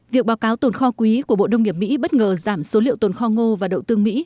việc báo cáo tồn kho quý của bộ đông nghiệp mỹ bất ngờ giảm số liệu tồn kho ngô và đậu tương mỹ